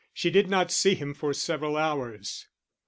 She did not see him for several hours.